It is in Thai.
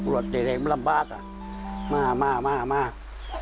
รถใดลำบากมาก